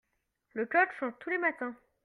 le coq chante tous les matins.